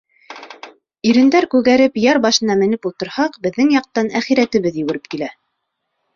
Ирендәр күгәреп яр башына менеп ултырһаҡ, беҙҙең яҡтан әхирәтебеҙ йүгереп килә.